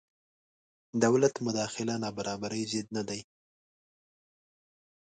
دولت مداخله نابرابرۍ ضد نه دی.